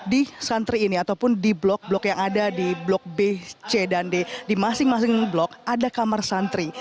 di santri ini ataupun di blok blok yang ada di blok b c dan d di masing masing blok ada kamar santri